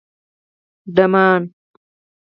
_ډمان